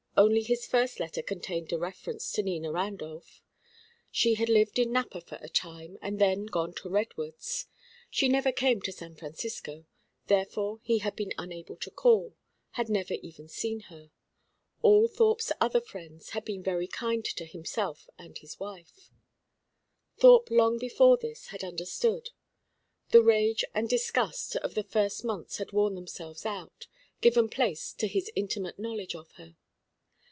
Only his first letter contained a reference to Nina Randolph. She had lived in Napa for a time, then gone to Redwoods. She never came to San Francisco; therefore he had been unable to call, had never even seen her. All Thorpe's other friends had been very kind to himself and his wife. Thorpe long before this had understood. The rage and disgust of the first months had worn themselves out, given place to his intimate knowledge of her.